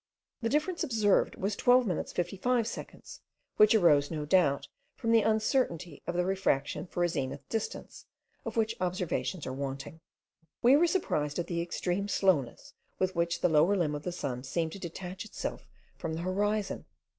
The difference observed was 12 minutes 55 seconds, which arose no doubt from the uncertainty of the refraction for a zenith distance, of which observations are wanting. We were surprised at the extreme slowness with which the lower limb of the sun seemed to detach itself from the horizon.